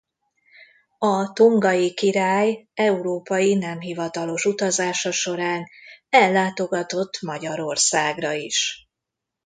A tongai király európai nem hivatalos utazása során ellátogatott Magyarországra is.